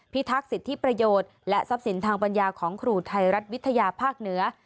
ทักษิประโยชน์และทรัพย์สินทางปัญญาของครูไทยรัฐวิทยาภาคเหนือ